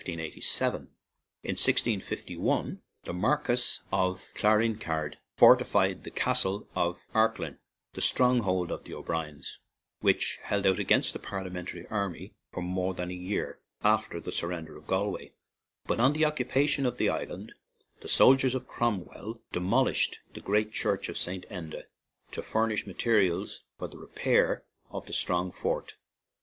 In 1651, the Marquis of Clan ricarde fortified the Castle of Arkyn, the stronghold of the O'Briens, which held out against the Parliamentary army for more than a year after the surrender of Galway; but on the occupation of the 114 ARAN ISLANDS island, the soldiers of Cromwell demol ished the great church of St. Enda to furnish materials for the repair of a strong fort.